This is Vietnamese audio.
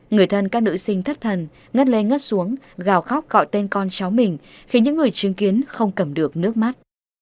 người thân các nữ sinh thất thần ngất len ngất xuống gào khóc gọi tên con cháu mình khiến những người chứng kiến không cầm được nước mắt